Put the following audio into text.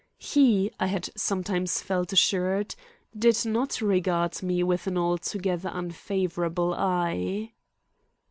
He, I had sometimes felt assured, did not regard me with an altogether unfavorable eye.